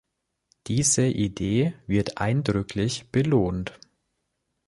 Diese Idee wird eindrücklich belohnt.